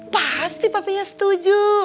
pasti papinya setuju